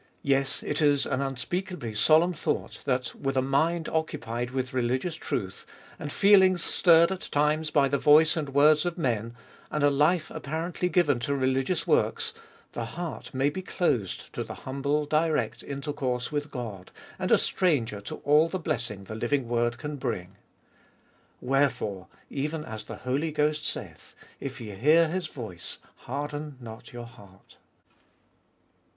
Yes, it is an unspeakably solemn thought, that with a mind occupied with religious truth, and feelings stirred at times by the voice and words of men, and a life apparently given to religious works, the heart may be closed to the humble, direct intercourse with God, and a stranger to all the blessing the living word can bring. Wherefore, even as the Holy Ghost saith, If ye hear His voice, harden not your heart.